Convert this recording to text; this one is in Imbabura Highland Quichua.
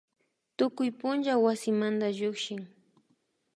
Tukuy punlla wasimanda llukshin